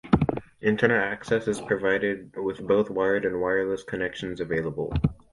Internet access is provided, with both wired and wireless connections available.